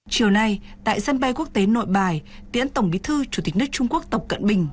chiều nay tại sân bay quốc tế nội bài tiễn tổng bí thư chủ tịch nước trung quốc tập cận bình